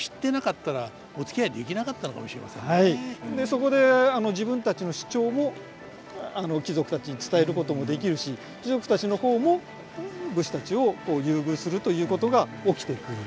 そこで自分たちの主張も貴族たちに伝えることもできるし貴族たちの方も武士たちを優遇するということが起きてくる。